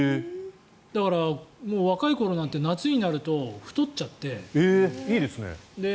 だから、若い頃なんて夏になるといいですね。